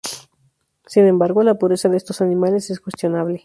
Sin embargo, la pureza de estos animales es cuestionable.